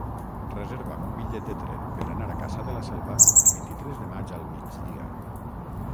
Reserva'm un bitllet de tren per anar a Cassà de la Selva el vint-i-tres de maig al migdia.